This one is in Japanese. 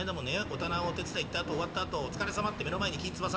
お店をお手伝い行ったあと終わったあとお疲れさまって目の前にきんつば３０